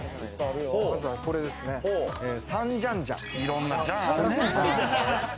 まずは、これですね、サンジいろんなジャンあるね。